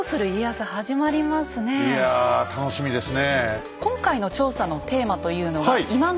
いや楽しみですね。